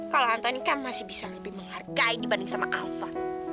kalau antoni kan masih bisa lebih menghargai dibanding sama alfa